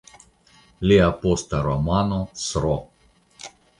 Lia posta romano "Sro.